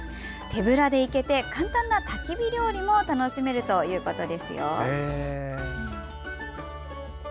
手ぶらで行けて簡単なたき火料理も楽しめるということですよ。